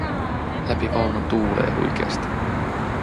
Läpi vaunun tuulee huikeasti.